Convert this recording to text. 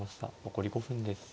残り５分です。